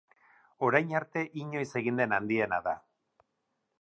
Orain arte inoiz egin den handiena da.